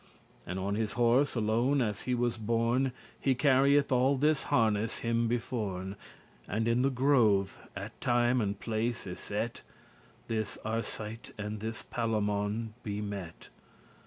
And on his horse, alone as he was born, He carrieth all this harness him beforn; And in the grove, at time and place y set, This Arcite and this Palamon be met.